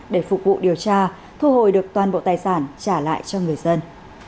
để phục vụ điều tra thu hồi được toàn bộ tài sản trả lại cho người dân